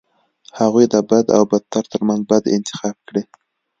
هغوی د بد او بدتر ترمنځ بد انتخاب کړي.